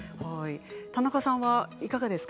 田中さんはいかがですか？